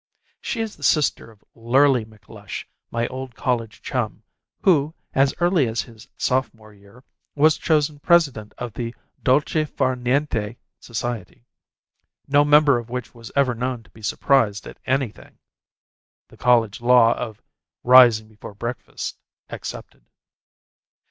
She is the sister of Lurly McLush, my old college chum, who, as early as his sophomore year, was chosen president of the Dolce far niente Society no member of which was ever known to be surprised at anything (the college law of rising before breakfast excepted).